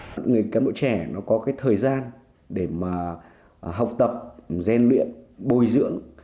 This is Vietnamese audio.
các cán bộ trẻ nó có cái thời gian để mà học tập ghen luyện bồi dưỡng